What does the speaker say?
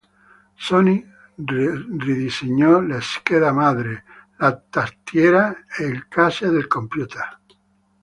Sony ridisegnò la scheda madre, la tastiera e il case del computer.